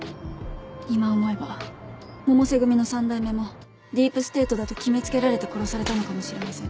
今思えば百瀬組の三代目もディープステートだと決め付けられて殺されたのかもしれません。